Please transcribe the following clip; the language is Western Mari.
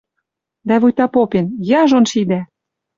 Дӓ вуйта попен: «Яжон шидӓ!»